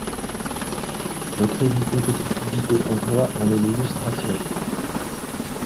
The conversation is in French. Le crédit compétitivité emploi en est l’illustration.